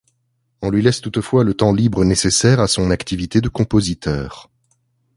On lui laisse toutefois le temps libre nécessaire à son activité de compositeur.